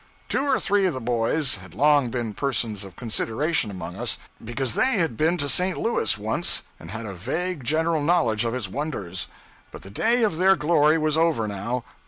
Two or three of the boys had long been persons of consideration among us because they had been to St. Louis once and had a vague general knowledge of its wonders, but the day of their glory was over now.